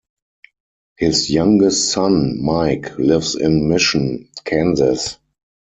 His youngest son, Mike, lives in Mission, Kansas.